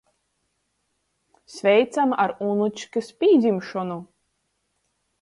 Sveicam ar unučkys pīdzimšonu!